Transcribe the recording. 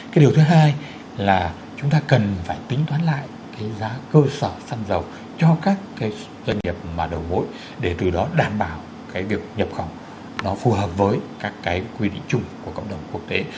cái điều thứ hai là chúng ta cần phải tính toán lại cái giá cơ sở xăng dầu cho các cái doanh nghiệp mà đầu mối để từ đó đảm bảo cái việc nhập khẩu nó phù hợp với các cái quy định chung của cộng đồng quốc tế